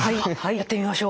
やってみましょう。